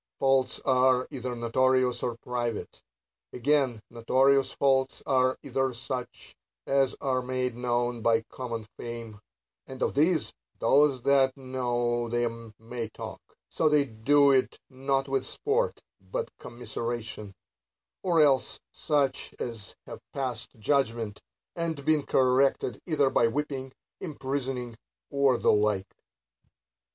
Faults are either notorious, or private. Again, notorious faults are either such as are made known by common fame ; and of these those that know them may talk, so they do it not with sport, but commiseration :— or else such as have passed judgment, and been corrected either by whipping, imprisoning, or the like.